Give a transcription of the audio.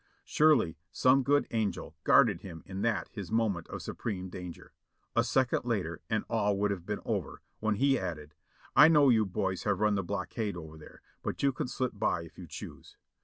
Surely some good angel guarded him in that his moment of supreme danger. A second later and all would have been over, when he added : "I know you boys have run the blockade over there, but you can slip by if you choose."